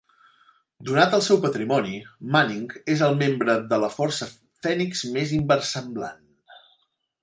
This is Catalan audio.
Donat el seu patrimoni, Manning és el membre de la Força Fènix més inversemblant.